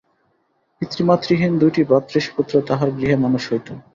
পিতৃমাতৃহীন দুইটি ভ্রাতুষ্পুত্র তাঁহার গৃহে মানুষ হইত।